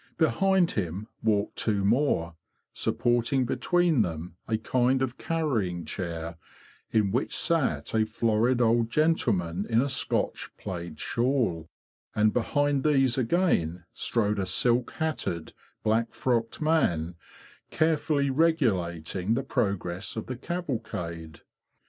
Behind him walked two more, supporting between them a kind of carrying chair, in which sat a florid old gentleman in a Scotch plaid shawl; and behind these again strode a silk hatted, black frocked man carefully regulating the progress of the cavalcade.